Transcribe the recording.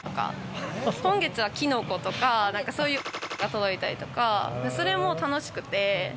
今月はキノコとか、そういうが届いたりとか、それも楽しくて。